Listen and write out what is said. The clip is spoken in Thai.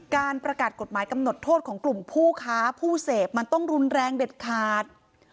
การประกาศกฎหมายกำหนดโทษของกลุ่มผู้ค้าผู้เสพมันต้องรุนแรงเด็ดขาด